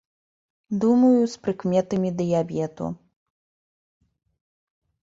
Думаю, з прыкметамі дыябету.